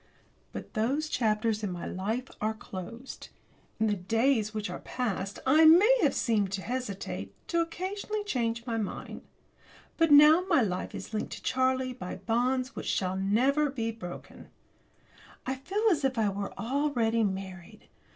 But those chapters in my life are closed. In the days which are past I may have seemed to hesitate, to occasionally have changed my mind. But now my life is linked to Charlie's by bonds which never shall be broken. I feel as if I were already married.